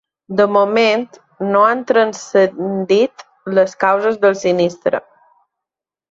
De moment no han transcendit les causes del sinistre.